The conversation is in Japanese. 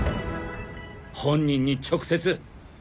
本人に直接！